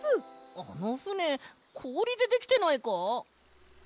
あのふねこおりでできてないか？